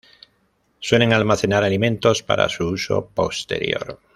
Suelen almacenar alimentos para su uso posterior.